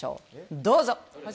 どうぞ。